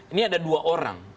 ini ada dua orang